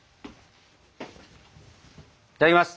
いただきます。